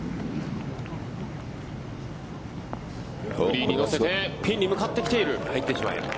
グリーンに乗せてピンに向かってきている。